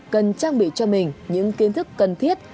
cần trang bị cho mình những kiến thức cần thiết